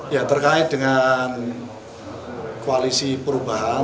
ya terkait dengan koalisi perubahan